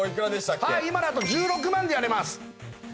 はい今だと１６万でやれます